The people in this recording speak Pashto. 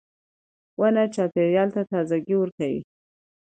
• ونه چاپېریال ته تازهګۍ ورکوي.